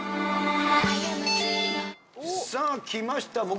さあ来ました